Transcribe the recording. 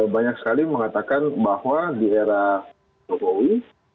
banyak sekali mengatakan bahwa di era jokowi